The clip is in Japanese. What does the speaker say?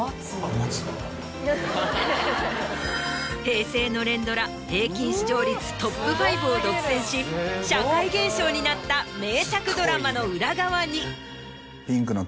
平成の連ドラ平均視聴率トップ５を独占し社会現象になった名作ドラマの裏側に。